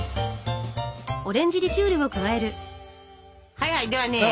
はいはいではね